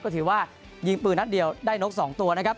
ก็ถือว่ายิงปืนนัดเดียวได้นก๒ตัวนะครับ